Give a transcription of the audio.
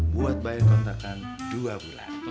buat bayar kontrakan dua bulan